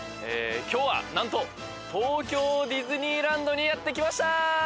今日は何と東京ディズニーランドにやって来ました！